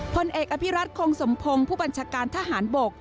พลเอกอภิรัตคงสมพงศ์ผู้บัญชาการทหารบก